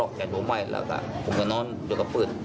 รู้แล้วก็รอร์บแจ๊ง